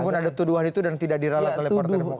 namun ada tuduhan itu dan tidak diralat oleh partai demokrat